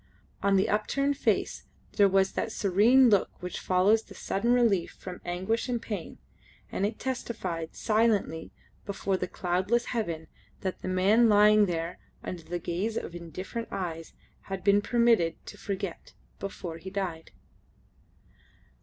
On the upturned face there was that serene look which follows the sudden relief from anguish and pain, and it testified silently before the cloudless heaven that the man lying there under the gaze of indifferent eyes had been permitted to forget before he died.